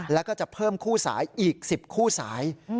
แล้วก็จะเพิ่มคู่สายอีก๑๐คู่สาย